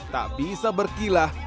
tak bisa berkilah